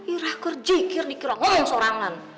irah kerjikir dikira ngeleng soraknya